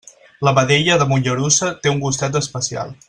La vedella de Mollerussa té un gustet especial.